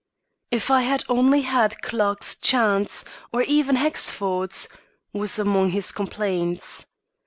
"If I had only had Clarke's chance, or even Hexford's," was among his complaints.